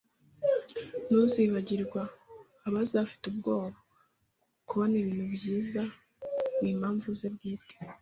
“Ntuzibagirwa?” abaza afite ubwoba. “Kubona ibintu byiza, n'impamvu ze bwite,